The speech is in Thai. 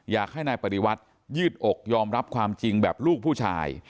อยากให้นายปฏิวัติยืดอกยอมรับความจริงแบบลูกผู้ชาย